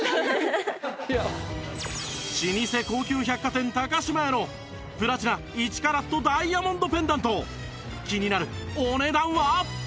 老舗高級百貨店島屋のプラチナ１カラットダイヤモンドペンダント気になるお値段は？